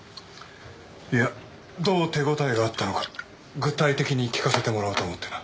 いやどう手応えがあったのか具体的に聞かせてもらおうと思ってな。